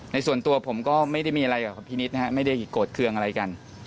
ส่วนตัวผมก็ไม่ได้มีอะไรกับพี่นิดนะฮะไม่ได้โกรธเครื่องอะไรกัน